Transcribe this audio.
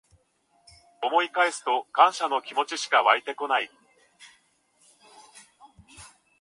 思い返すと感謝の気持ちしかわいてこない